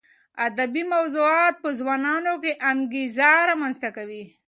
ادبي موضوعات په ځوانانو کې انګېزه رامنځته کوي.